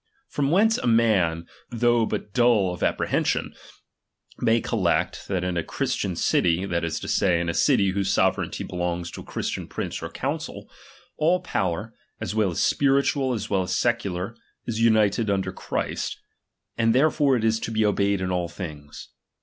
From whence rmrjto nBon.^ man, though but dull of apprehension, may col lect, that in a Christian city, that is to say, in a city whose sovereignty belongs to a Christian prince or council, all power, as well spiritual as secular, is united under Christ, and therefore it is to be obeyed in all things.